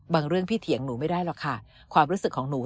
เรื่องพี่เถียงหนูไม่ได้หรอกค่ะความรู้สึกของหนู